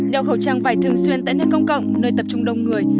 đeo khẩu trang vải thường xuyên tại nơi công cộng nơi tập trung đông người